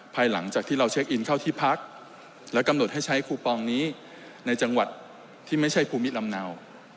ภายหลังจากที่เราเช็คอินเข้าที่พักและกำหนดให้ใช้คูปองนี้ในจังหวัดที่ไม่ใช่ภูมิลำเนา